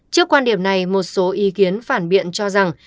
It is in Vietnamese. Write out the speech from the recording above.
trước quan điểm này một số ý kiến phản biện cho rằng